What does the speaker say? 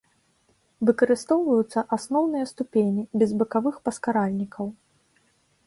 Выкарыстоўваюцца асноўныя ступені, без бакавых паскаральнікаў.